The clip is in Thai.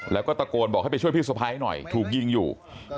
แล้วก็ตะโกนบอกให้ไปช่วยพี่สะพ้ายหน่อยถูกยิงอยู่